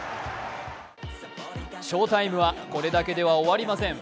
翔タイムは、これだけでは終わりません。